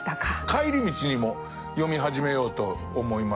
帰り道にも読み始めようと思います。